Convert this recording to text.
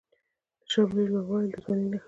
د شملې لوړوالی د ځوانۍ نښه ده.